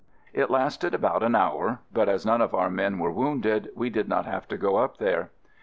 It lasted about an hour, but as none of our men were wounded we did not have to go up there.